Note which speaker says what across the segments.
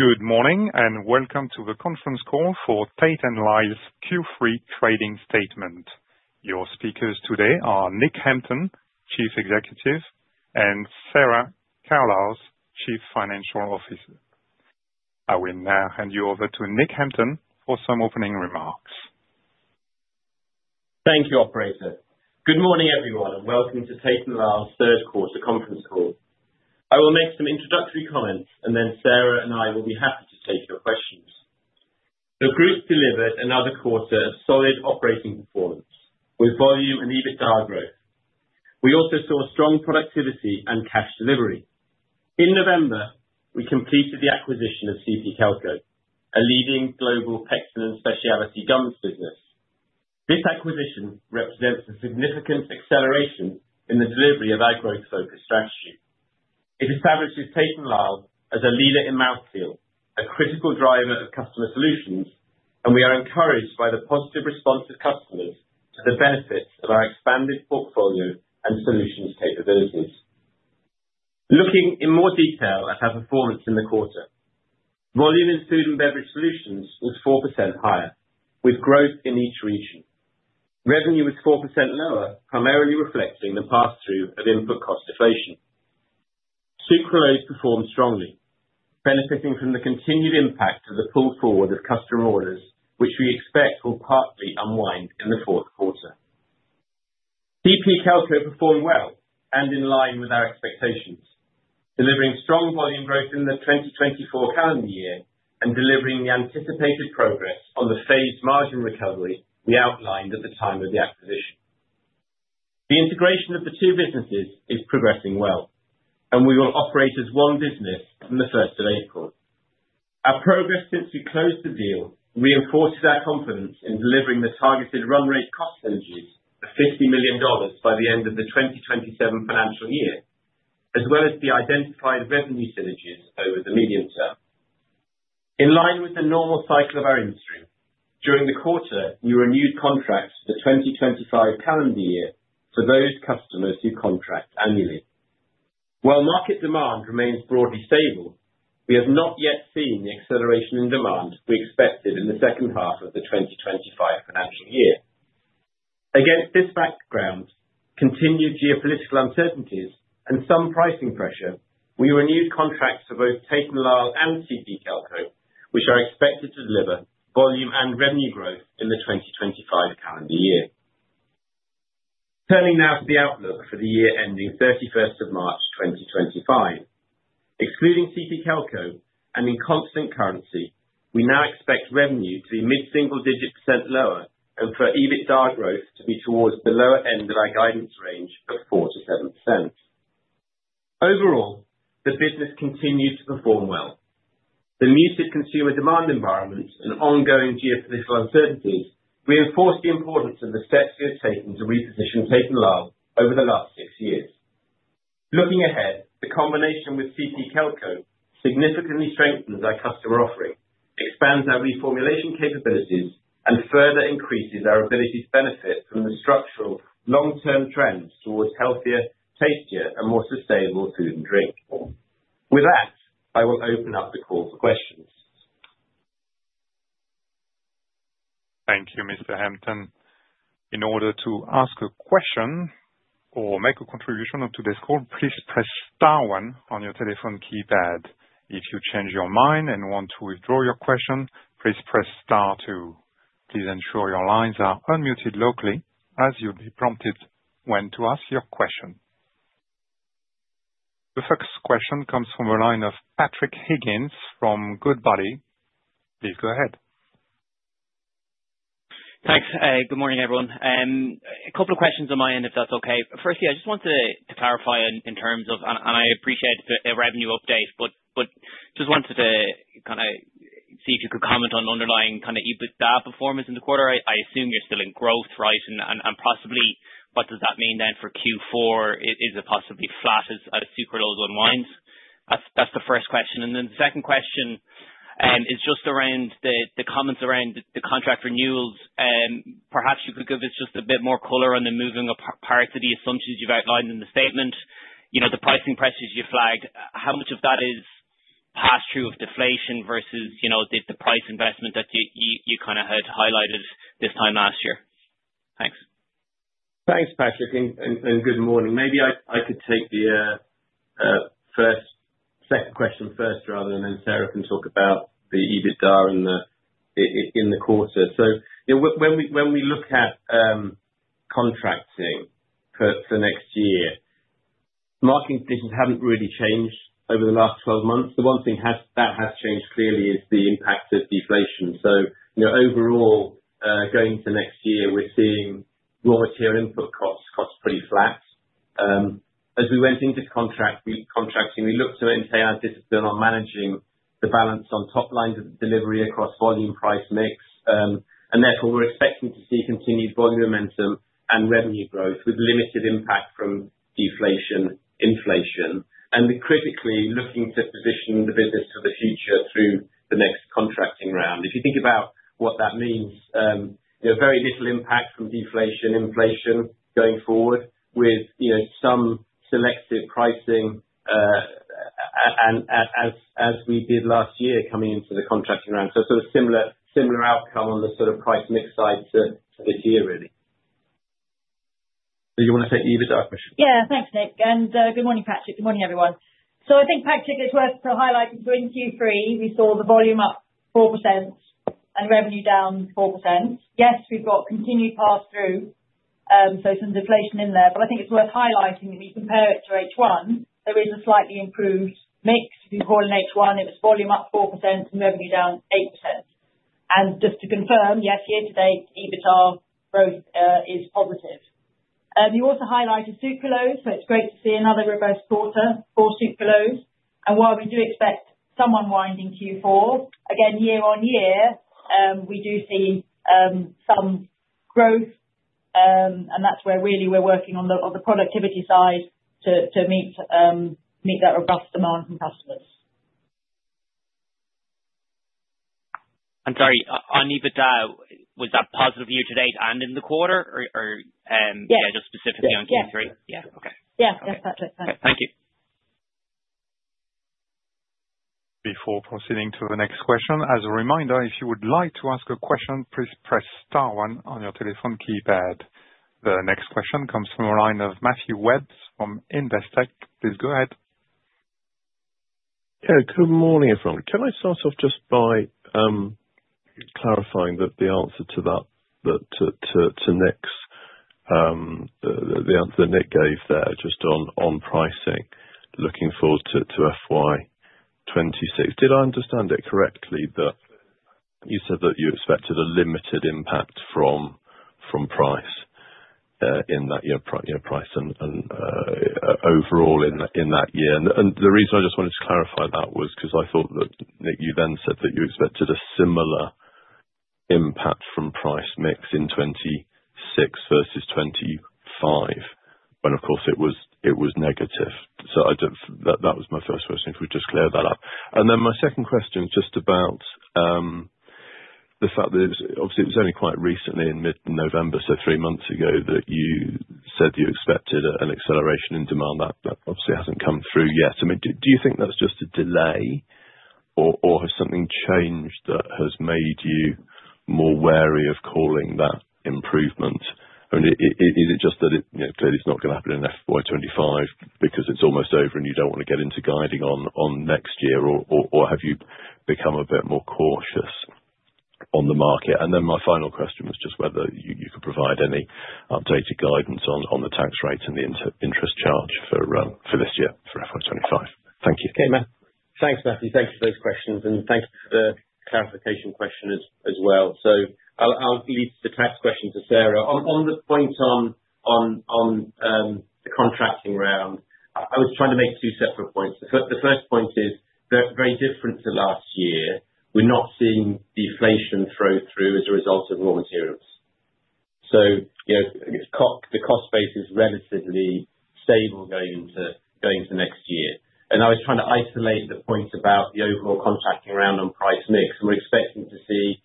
Speaker 1: Good morning and welcome to the conference call for Tate & Lyle's Q3 Trading Statement. Your speakers today are Nick Hampton, Chief Executive, and Sarah Kuijlaars, Chief Financial Officer. I will now hand you over to Nick Hampton for some opening remarks.
Speaker 2: Thank you, Operator. Good morning, everyone, and welcome to Tate & Lyle's third quarter conference call. I will make some introductory comments, and then Sarah and I will be happy to take your questions. The group delivered another quarter of solid operating performance, with volume and EBITDA growth. We also saw strong productivity and cash delivery. In November, we completed the acquisition of CP Kelco, a leading global pectin and specialty gums business. This acquisition represents a significant acceleration in the delivery of our growth-focused strategy. It establishes Tate & Lyle as a leader in mouthfeel, a critical driver of customer solutions, and we are encouraged by the positive response of customers to the benefits of our expanded portfolio and solutions capabilities. Looking in more detail at our performance in the quarter, volume in food and beverage solutions was 4% higher, with growth in each region. Revenue was 4% lower, primarily reflecting the pass-through of input cost deflation. Sucralose performed strongly, benefiting from the continued impact of the pull forward of customer orders, which we expect will partly unwind in the fourth quarter. CP Kelco performed well and in line with our expectations, delivering strong volume growth in the 2024 calendar year and delivering the anticipated progress on the phased margin recovery we outlined at the time of the acquisition. The integration of the two businesses is progressing well, and we will operate as one business from the 1st of April. Our progress since we closed the deal reinforces our confidence in delivering the targeted run rate cost synergies of $50 million by the end of the 2027 financial year, as well as the identified revenue synergies over the medium term. In line with the normal cycle of our industry, during the quarter, we renewed contracts for the 2025 calendar year for those customers who contract annually. While market demand remains broadly stable, we have not yet seen the acceleration in demand we expected in the second half of the 2025 financial year. Against this background, continued geopolitical uncertainties and some pricing pressure, we renewed contracts for both Tate & Lyle and CP Kelco, which are expected to deliver volume and revenue growth in the 2025 calendar year. Turning now to the outlook for the year ending 31st of March 2025, excluding CP Kelco and in constant currency, we now expect revenue to be mid-single digit % lower and for EBITDA growth to be towards the lower end of our guidance range of 4%-7%. Overall, the business continued to perform well. The muted consumer demand environment and ongoing geopolitical uncertainties reinforce the importance of the steps we have taken to reposition Tate & Lyle over the last six years. Looking ahead, the combination with CP Kelco significantly strengthens our customer offering, expands our reformulation capabilities, and further increases our ability to benefit from the structural long-term trends towards healthier, tastier, and more sustainable food and drink. With that, I will open up the call for questions.
Speaker 1: Thank you, Mr. Hampton. In order to ask a question or make a contribution to this call, please press star one on your telephone keypad. If you change your mind and want to withdraw your question, please press star two. Please ensure your lines are unmuted locally as you'll be prompted when to ask your question. The first question comes from a line of Patrick Higgins from Goodbody. Please go ahead.
Speaker 3: Thanks. Good morning, everyone. A couple of questions on my end, if that's okay. Firstly, I just wanted to clarify in terms of, and I appreciate the revenue update, but just wanted to kind of see if you could comment on underlying kind of EBITDA performance in the quarter. I assume you're still in growth, right? And possibly, what does that mean then for Q4? Is it possibly flat as Sucralose unwinds? That's the first question. And then the second question is just around the comments around the contract renewals. Perhaps you could give us just a bit more color on the moving apart of the assumptions you've outlined in the statement, the pricing pressures you flagged. How much of that is pass-through of deflation versus the price investment that you kind of had highlighted this time last year? Thanks.
Speaker 2: Thanks, Patrick. And good morning. Maybe I could take the first or second question first, rather, and then Sarah can talk about the EBITDA in the quarter. So when we look at contracting for next year, market conditions haven't really changed over the last 12 months. The one thing that has changed clearly is the impact of deflation. So overall, going into next year, we're seeing raw material input costs pretty flat. As we went into contracting, we looked to inculcate our discipline on managing the balance on top lines of delivery across volume, price, mix. And therefore, we're expecting to see continued volume momentum and revenue growth with limited impact from deflation, inflation, and critically looking to position the business for the future through the next contracting round. If you think about what that means, very little impact from deflation, inflation going forward with some selective pricing as we did last year coming into the contracting round, so sort of similar outcome on the sort of price mix side to this year, really. Do you want to take the EBITDA question?
Speaker 4: Yeah, thanks, Nick. And good morning, Patrick. Good morning, everyone. So I think, Patrick, it's worth highlighting during Q3, we saw the volume up 4% and revenue down 4%. Yes, we've got continued pass-through, so some deflation in there. But I think it's worth highlighting that when you compare it to H1, there is a slightly improved mix. If you recall in H1, it was volume up 4% and revenue down 8%. And just to confirm, yes, year-to-date, EBITDA growth is positive. You also highlighted Sucralose, so it's great to see another record quarter for Sucralose. And while we do expect some unwinding Q4, again, year on year, we do see some growth, and that's where really we're working on the productivity side to meet that robust demand from customers.
Speaker 3: I'm sorry, on EBITDA, was that positive year-to-date and in the quarter?
Speaker 4: Yes.
Speaker 3: Or just specifically on Q3?
Speaker 4: Yes.
Speaker 3: Yeah. Okay.
Speaker 4: Yeah. Yes, that's it. Thanks.
Speaker 3: Thank you.
Speaker 1: Before proceeding to the next question, as a reminder, if you would like to ask a question, please press star one on your telephone keypad. The next question comes from a line of Matthew Webb from Investec. Please go ahead.
Speaker 5: Yeah, good morning, everyone. Can I start off just by clarifying that the answer that Nick gave there just on pricing, looking forward to FY 2026, did I understand it correctly that you said that you expected a limited impact from price in that year, price overall in that year? And the reason I just wanted to clarify that was because I thought that you then said that you expected a similar impact from price mix in 2026 versus 2025, when, of course, it was negative. So that was my first question, if we could just clear that up. And then my second question is just about the fact that, obviously, it was only quite recently in mid-November, so three months ago, that you said you expected an acceleration in demand. That obviously hasn't come through yet. I mean, do you think that's just a delay, or has something changed that has made you more wary of calling that improvement? I mean, is it just that it clearly is not going to happen in FY25 because it's almost over and you don't want to get into guiding on next year, or have you become a bit more cautious on the market? And then my final question was just whether you could provide any updated guidance on the tax rate and the interest charge for this year for FY25. Thank you.
Speaker 2: Okay, Matt. Thanks, Matthew. Thanks for those questions. And thank you for the clarification question as well. So I'll leave the tax question to Sarah. On the point on the contracting round, I was trying to make two separate points. The first point is very different to last year. We're not seeing deflation flow through as a result of raw materials. So the cost base is relatively stable going into next year. And I was trying to isolate the point about the overall contracting round on price mix, and we're expecting to see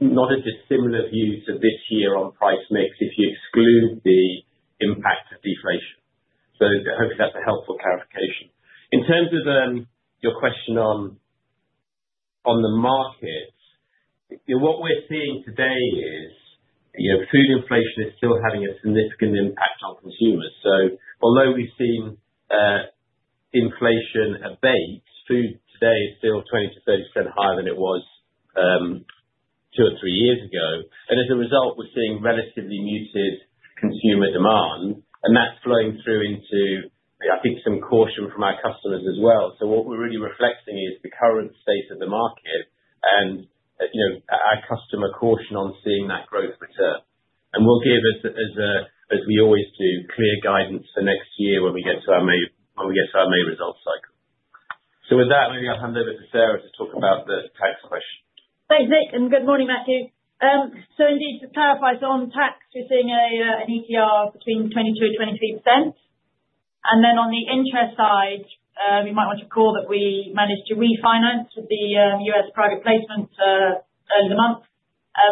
Speaker 2: not a dissimilar view to this year on price mix if you exclude the impact of deflation. So hopefully, that's a helpful clarification. In terms of your question on the markets, what we're seeing today is food inflation is still having a significant impact on consumers. So although we've seen inflation abate, food today is still 20%-30% higher than it was two or three years ago. And as a result, we're seeing relatively muted consumer demand, and that's flowing through into, I think, some caution from our customers as well. So what we're really reflecting is the current state of the market and our customer caution on seeing that growth return. And we'll give it, as we always do, clear guidance for next year when we get to our main results cycle. So with that, maybe I'll hand over to Sarah to talk about the tax question.
Speaker 4: Thanks, Nick, and good morning, Matthew. So indeed, to clarify, so on tax, we're seeing an ETR between 22%-23%. And then on the interest side, we might want to call that we managed to refinance with the U.S. private placement early in the month.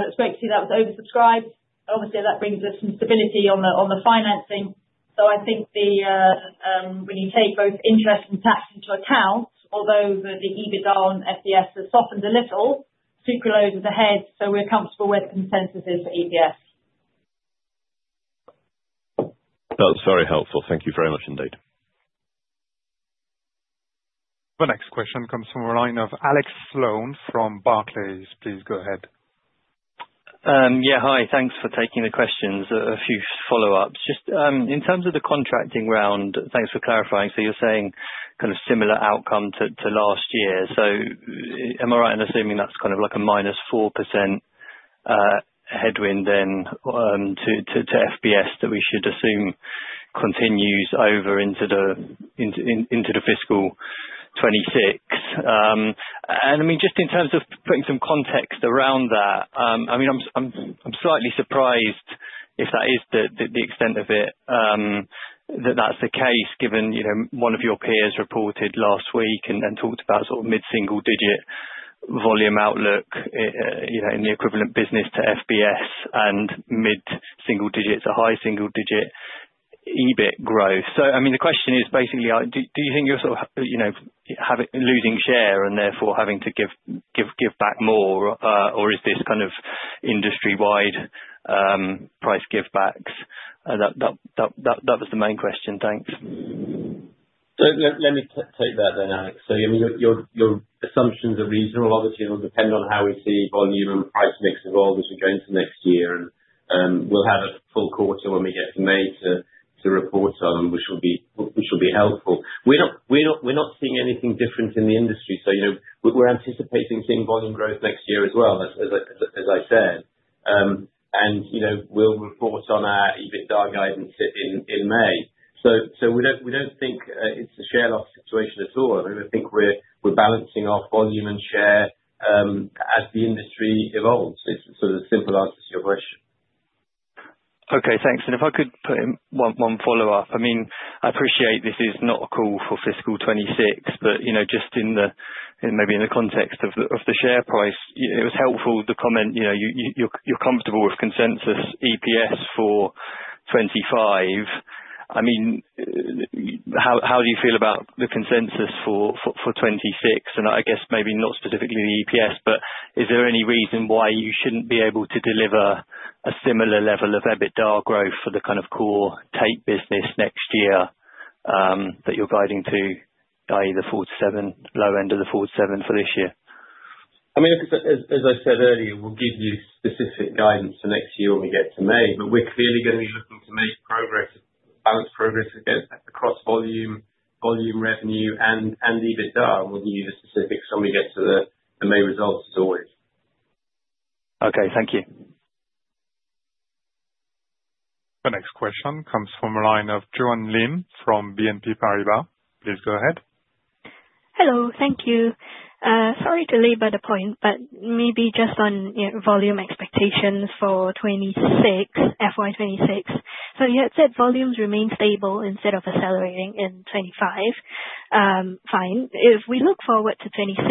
Speaker 4: It's great to see that was oversubscribed. Obviously, that brings us some stability on the financing. So I think when you take both interest and tax into account, although the EBITDA on FBS has softened a little, Sucralose is ahead, so we're comfortable with consensus is for EPS.
Speaker 1: That was very helpful. Thank you very much indeed. The next question comes from a line of Alex Sloane from Barclays. Please go ahead.
Speaker 6: Yeah, hi. Thanks for taking the questions. A few follow-ups. Just in terms of the contracting round, thanks for clarifying. So you're saying kind of similar outcome to last year. So am I right in assuming that's kind of like a -4% headwind then to FBS that we should assume continues over into the fiscal 2026? And I mean, just in terms of putting some context around that, I mean, I'm slightly surprised if that is the extent of it, that that's the case given one of your peers reported last week and talked about sort of mid-single digit volume outlook in the equivalent business to FBS and mid-single digit to high single digit EBIT growth. So I mean, the question is basically, do you think you're sort of losing share and therefore having to give back more, or is this kind of industry-wide price give-backs? That was the main question. Thanks.
Speaker 2: So let me take that then, Alex. So I mean, your assumptions are reasonable. Obviously, it'll depend on how we see volume and price mix evolve as we go into next year. And we'll have a full quarter when we get to May to report on, which will be helpful. We're not seeing anything different in the industry. So we're anticipating seeing volume growth next year as well, as I said. And we'll report on our EBITDA guidance in May. So we don't think it's a share loss situation at all. I think we're balancing off volume and share as the industry evolves. It's sort of the simple answer to your question.
Speaker 6: Okay, thanks. And if I could put in one follow-up, I mean, I appreciate this is not a call for fiscal 2026, but just maybe in the context of the share price, it was helpful to comment you're comfortable with consensus EPS for 2025. I mean, how do you feel about the consensus for 2026? And I guess maybe not specifically the EPS, but is there any reason why you shouldn't be able to deliver a similar level of EBITDA growth for the kind of core Tate business next year that you're guiding to, i.e., the 4%-7%, low end of the 4%-7% for this year?
Speaker 2: I mean, as I said earlier, we'll give you specific guidance for next year when we get to May, but we're clearly going to be looking to make progress, balance progress across volume, revenue, and EBITDA when you need the specifics when we get to the May results as always.
Speaker 6: Okay, thank you.
Speaker 1: The next question comes from a line of Joanne Lim from BNP Paribas. Please go ahead.
Speaker 7: Hello, thank you. Sorry to leave at a point, but maybe just on volume expectations for 2026, FY 2026. So you had said volumes remain stable instead of accelerating in 2025. Fine. If we look forward to 2026,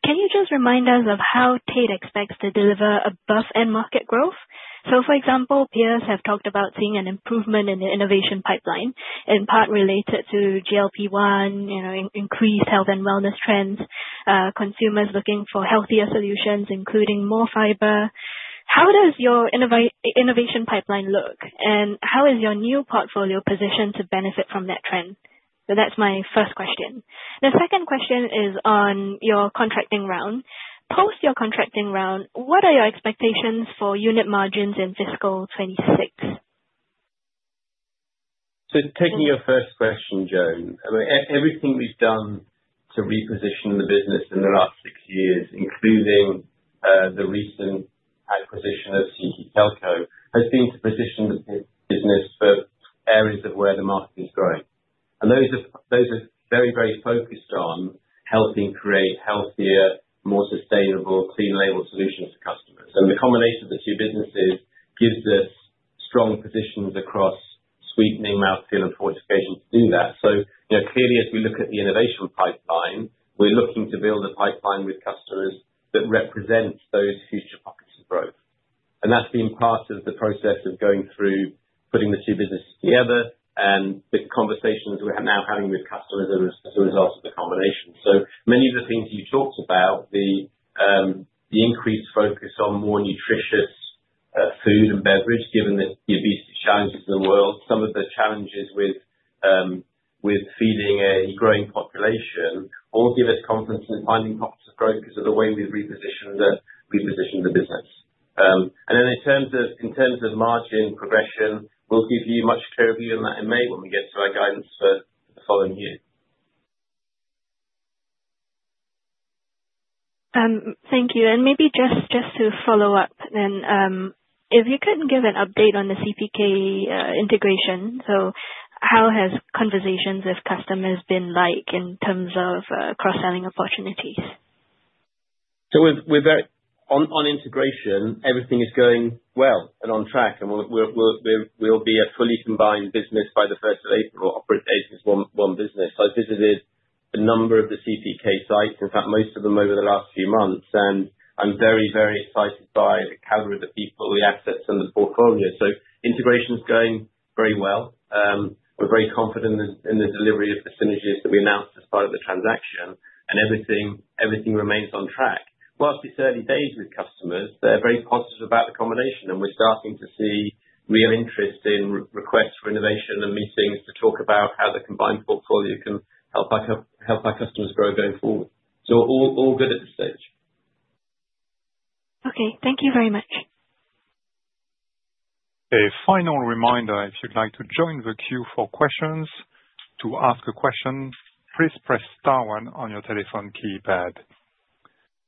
Speaker 7: can you just remind us of how Tate & Lyle expects to deliver above end-market growth? So for example, peers have talked about seeing an improvement in the innovation pipeline, in part related to GLP-1, increased health and wellness trends, consumers looking for healthier solutions, including more fiber. How does your innovation pipeline look? And how is your new portfolio positioned to benefit from that trend? So that's my first question. The second question is on your contracting round. Post your contracting round, what are your expectations for unit margins in fiscal 2026?
Speaker 2: So taking your first question, Joanne, everything we've done to reposition the business in the last six years, including the recent acquisition of CP Kelco, has been to position the business for areas of where the market is growing. And those are very, very focused on helping create healthier, more sustainable, clean-label solutions for customers. And the combination of the two businesses gives us strong positions across sweetening, mouthfeel, and fortification to do that. So clearly, as we look at the innovation pipeline, we're looking to build a pipeline with customers that represents those future pockets of growth. And that's been part of the process of going through putting the two businesses together and the conversations we're now having with customers as a result of the combination. So many of the things you talked about, the increased focus on more nutritious food and beverage, given the obesity challenges in the world, some of the challenges with feeding a growing population, all give us confidence in finding pockets of growth because of the way we've repositioned the business. And then in terms of margin progression, we'll give you much clearer view on that in May when we get to our guidance for the following year.
Speaker 7: Thank you. And maybe just to follow up, if you could give an update on the CPK integration, so how has conversations with customers been like in terms of cross-selling opportunities?
Speaker 2: On integration, everything is going well and on track. We'll be a fully combined business by the 1st of April, operating as one business. I've visited a number of the CPK sites, in fact, most of them over the last few months, and I'm very, very excited by the caliber of the people, the assets, and the portfolio. Integration is going very well. We're very confident in the delivery of the synergies that we announced as part of the transaction, and everything remains on track. While it's early days with customers, they're very positive about the combination, and we're starting to see real interest in requests for innovation and meetings to talk about how the combined portfolio can help our customers grow going forward. All good at this stage.
Speaker 7: Okay. Thank you very much.
Speaker 1: A final reminder, if you'd like to join the queue for questions to ask a question, please press star one on your telephone keypad.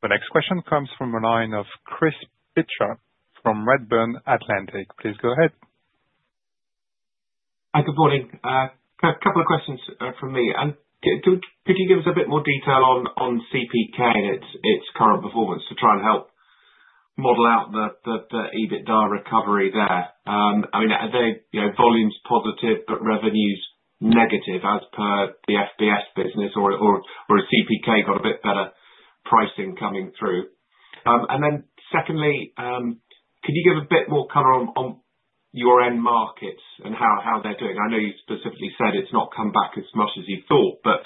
Speaker 1: The next question comes from a line of Chris Pitcher from Redburn Atlantic. Please go ahead.
Speaker 8: Hi, good morning. A couple of questions from me. And could you give us a bit more detail on CPK and its current performance to try and help model out the EBITDA recovery there? I mean, are their volumes positive but revenues negative as per the FBS business, or has CPK got a bit better pricing coming through? And then secondly, could you give a bit more color on your end markets and how they're doing? I know you specifically said it's not come back as much as you thought, but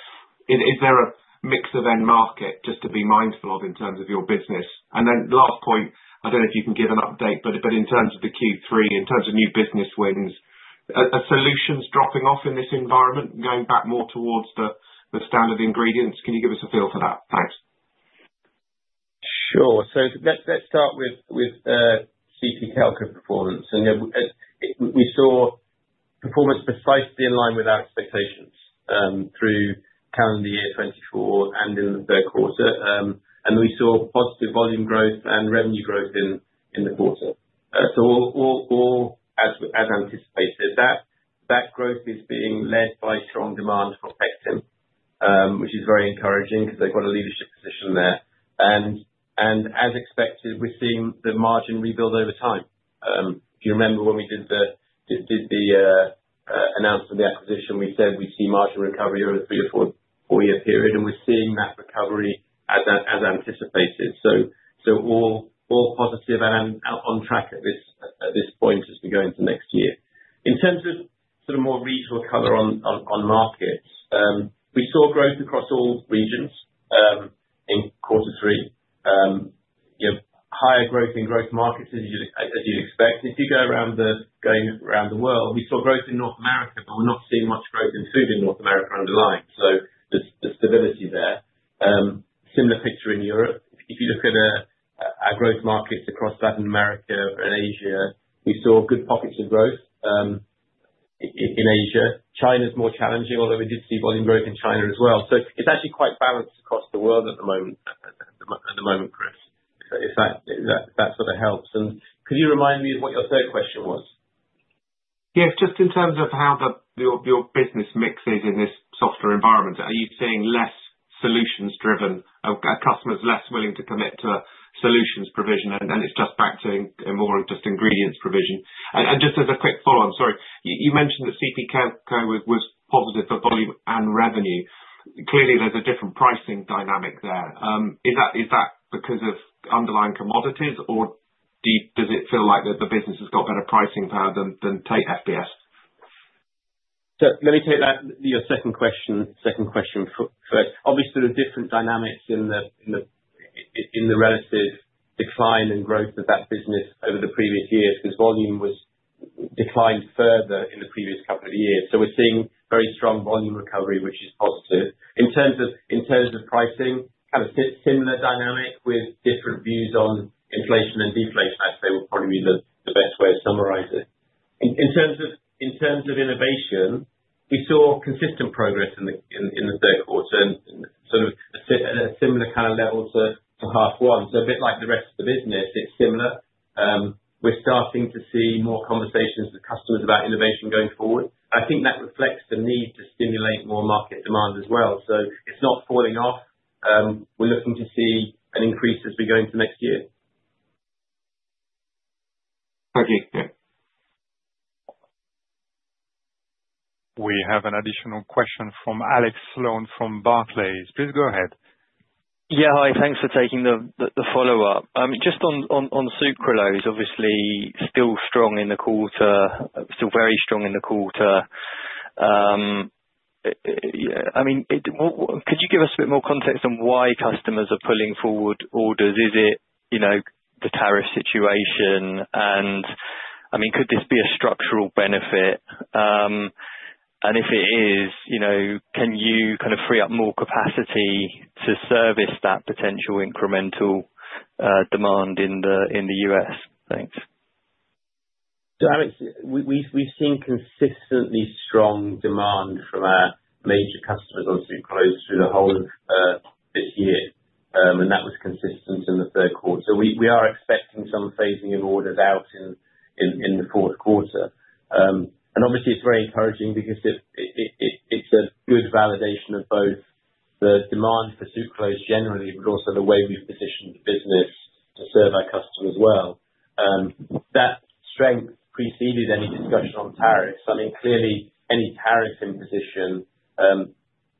Speaker 8: is there a mix of end market just to be mindful of in terms of your business? And then last point, I don't know if you can give an update, but in terms of the Q3, in terms of new business wins, are solutions dropping off in this environment and going back more towards the standard ingredients? Can you give us a feel for that? Thanks.
Speaker 2: Sure. So let's start with CP Kelco performance. And we saw performance precisely in line with our expectations through calendar year 2024 and in the third quarter. And we saw positive volume growth and revenue growth in the quarter. So all as anticipated, that growth is being led by strong demand for pectin, which is very encouraging because they've got a leadership position there. And as expected, we're seeing the margin rebuild over time. If you remember when we did the announcement of the acquisition, we said we'd see margin recovery over a three- to four-year period, and we're seeing that recovery as anticipated. So all positive and on track at this point as we go into next year. In terms of sort of more regional color on markets, we saw growth across all regions in quarter three, higher growth in growth markets as you'd expect. And if you go around the world, we saw growth in North America, but we're not seeing much growth in food in North America underlying. So there's stability there. Similar picture in Europe. If you look at our growth markets across Latin America and Asia, we saw good pockets of growth in Asia. China's more challenging, although we did see volume growth in China as well. So it's actually quite balanced across the world at the moment for us, if that sort of helps. And could you remind me of what your third question was?
Speaker 8: Yeah, just in terms of how your business mix is in this softer environment, are you seeing less solutions driven? Are customers less willing to commit to solutions provision, and it's just back to more just ingredients provision? And just as a quick follow-up, I'm sorry, you mentioned that CPK was positive for volume and revenue. Clearly, there's a different pricing dynamic there. Is that because of underlying commodities, or does it feel like that the business has got better pricing power than Tate FBS?
Speaker 2: So let me take your second question first. Obviously, there are different dynamics in the relative decline and growth of that business over the previous years because volume was declined further in the previous couple of years. So we're seeing very strong volume recovery, which is positive. In terms of pricing, kind of similar dynamic with different views on inflation and deflation, I'd say, would probably be the best way to summarize it. In terms of innovation, we saw consistent progress in the third quarter and sort of a similar kind of level to half one. So a bit like the rest of the business, it's similar. We're starting to see more conversations with customers about innovation going forward. I think that reflects the need to stimulate more market demand as well. So it's not falling off. We're looking to see an increase as we go into next year.
Speaker 8: Thank you.
Speaker 1: We have an additional question from Alex Sloane from Barclays. Please go ahead.
Speaker 6: Yeah, hi. Thanks for taking the follow-up. Just on Sucralose, obviously still strong in the quarter, still very strong in the quarter. I mean, could you give us a bit more context on why customers are pulling forward orders? Is it the tariff situation? And I mean, could this be a structural benefit? And if it is, can you kind of free up more capacity to service that potential incremental demand in the U.S.? Thanks.
Speaker 2: So Alex, we've seen consistently strong demand from our major customers on Sucralose through the whole of this year, and that was consistent in the third quarter. We are expecting some phasing of orders out in the fourth quarter. And obviously, it's very encouraging because it's a good validation of both the demand for Sucralose generally, but also the way we've positioned the business to serve our customers well. That strength preceded any discussion on tariffs. I mean, clearly, any tariff imposition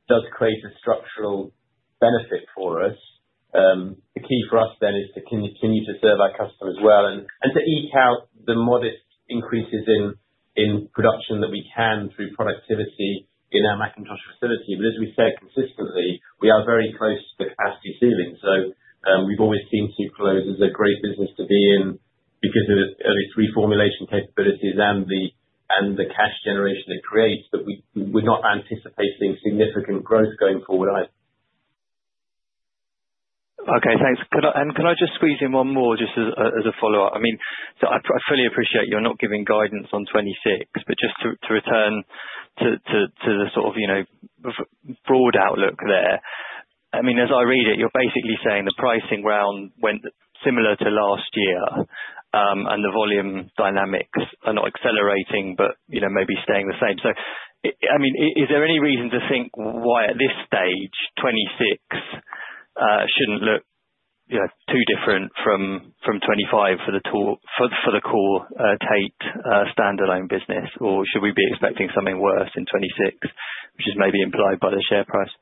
Speaker 2: does create a structural benefit for us. The key for us then is to continue to serve our customers well and to eke out the modest increases in production that we can through productivity in our McIntosh facility. But as we said consistently, we are very close to the capacity ceiling. So we've always seen Sucralose as a great business to be in because of its reformulation capabilities and the cash generation it creates, but we're not anticipating significant growth going forward either.
Speaker 6: Okay, thanks. And can I just squeeze in one more just as a follow-up? I mean, I fully appreciate you're not giving guidance on 2026, but just to return to the sort of broad outlook there. I mean, as I read it, you're basically saying the pricing round went similar to last year, and the volume dynamics are not accelerating but maybe staying the same. So I mean, is there any reason to think why at this stage 2026 shouldn't look too different from 2025 for the core Tate standalone business, or should we be expecting something worse in 2026, which is maybe implied by the share price?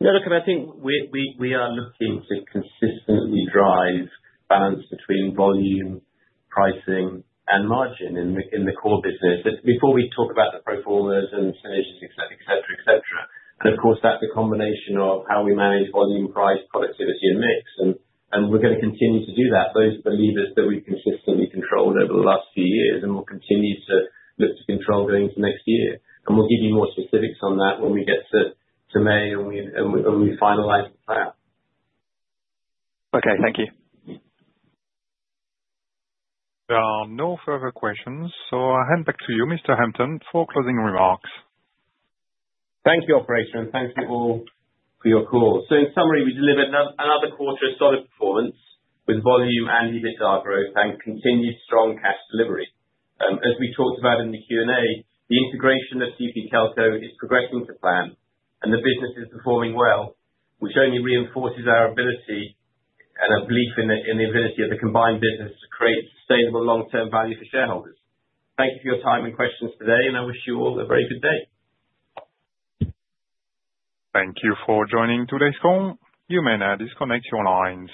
Speaker 2: No, look, I think we are looking to consistently drive balance between volume, pricing, and margin in the core business. Before we talk about the proformas and synergies etc., etc., etc., and of course, that's a combination of how we manage volume, price, productivity, and mix, and we're going to continue to do that. Those are the levers that we've consistently controlled over the last few years, and we'll continue to look to control going into next year, and we'll give you more specifics on that when we get to May and we finalize the plan.
Speaker 6: Okay, thank you.
Speaker 1: There are no further questions, so I'll hand back to you, Mr. Hampton, for closing remarks.
Speaker 2: Thank you, Operator, and thank you all for your call. So in summary, we delivered another quarter of solid performance with volume and EBITDA growth and continued strong cash delivery. As we talked about in the Q&A, the integration of CP Kelco is progressing to plan, and the business is performing well, which only reinforces our ability and a belief in the ability of the combined business to create sustainable long-term value for shareholders. Thank you for your time and questions today, and I wish you all a very good day.
Speaker 1: Thank you for joining today's call. You may now disconnect your lines.